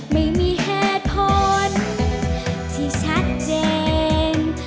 ไม่มีเหตุผลที่ชัดเจน